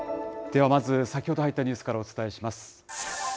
ではまず、先ほど入ったニュースからお伝えします。